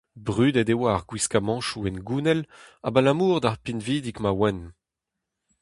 Brudet e oa ar gwiskamantoù hengounel abalamour d'ar pinvidik ma oant.